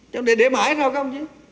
chứ để mãi sao không chứ